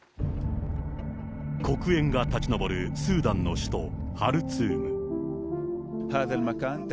黒煙が立ち上るスーダンの首都ハルツーム。